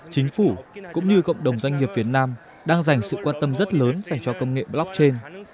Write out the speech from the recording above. chính phủ cũng như cộng đồng doanh nghiệp việt nam đang dành sự quan tâm rất lớn dành cho công nghệ blockchain